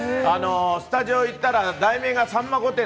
スタジオ行ったら、題名が『さんま御殿！！』